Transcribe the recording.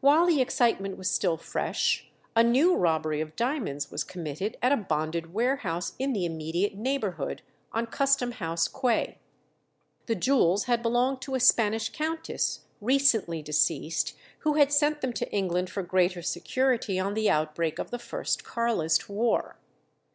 While the excitement was still fresh, a new robbery of diamonds was committed at a bonded warehouse in the immediate neighbourhood, on Custom House Quay. The jewels had belonged to a Spanish countess recently deceased, who had sent them to England for greater security on the outbreak of the first Carlist war.